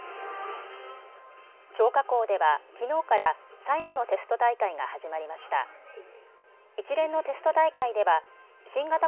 張家口では、きのうから最後のテスト大会が始まりました。